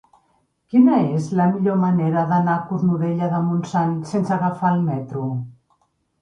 Quina és la millor manera d'anar a Cornudella de Montsant sense agafar el metro?